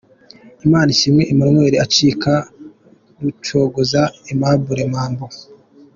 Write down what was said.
Imanishimwe Emmanuel acika Rucogoza Aimable Mambo.